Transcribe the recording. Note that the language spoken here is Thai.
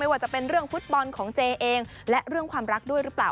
ว่าจะเป็นเรื่องฟุตบอลของเจเองและเรื่องความรักด้วยหรือเปล่า